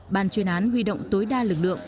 ban chuyên án huy động tối đa lực lượng